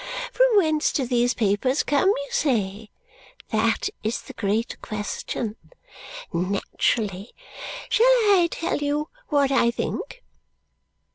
From whence do these papers come, you say? That is the great question. Naturally. Shall I tell you what I think?